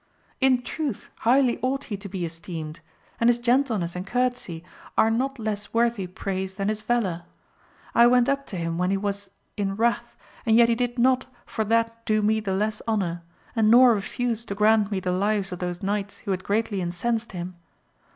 — In truth highly ought he to be esteemed ! and his gentleness and courtesy are not less worthy praise than his valour. I went up to him when he was in wrath, and yet he did not for that do me the less honour, nor refuse to grant me the lives of those knights who had greatly incensed him.